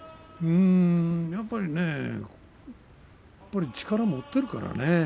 やっぱりね力を持っているからね。